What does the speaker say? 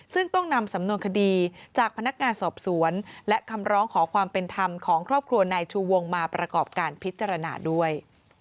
ซึ่งต้องนำสำนวนคดีจากพนักงานสอบสวนและคำร้องขอความเป็นธรรมของครอบครัวนายชูวงมาประกอบการพิจารณาด้วย